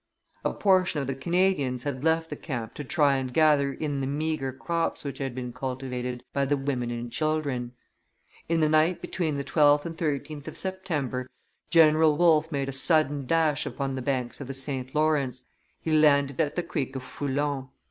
A portion of the Canadians had left the camp to try and gather in the meagre crops which had been cultivated by the women and children. In the night between the 12th and 13th of September, General Wolfe made a sudden dash upon the banks of the St. Lawrence; he landed at the creek of Foulon.